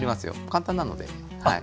簡単なのではい。